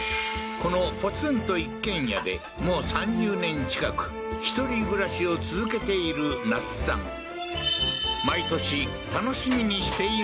このポツンと一軒家でもう３０年近く１人暮らしを続けている那須さん